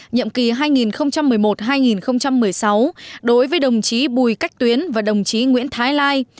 nhiệm kỳ hai nghìn một mươi một hai nghìn một mươi sáu đối với đồng chí bùi cách tuyến và đồng chí nguyễn thái lai